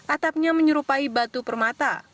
atapnya menyerupai batu permata